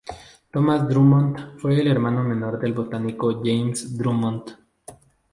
Thomas Drummond fue el hermano menor del botánico James Drummond.